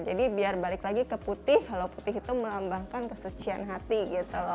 jadi biar balik lagi ke putih kalau putih itu melambangkan kesucian hati gitu loh